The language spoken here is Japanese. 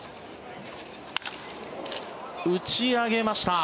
打ち上げました。